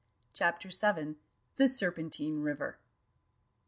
CHAPTER VII. THE SERPENTINE RIVER.